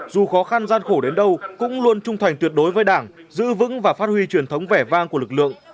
dù khó khăn gian khổ đến đâu cũng luôn trung thành tuyệt đối với đảng giữ vững và phát huy truyền thống vẻ vang của lực lượng